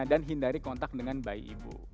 dan hindari kontak dengan bayi ibu